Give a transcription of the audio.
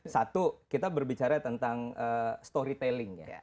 satu kita berbicara tentang storytelling ya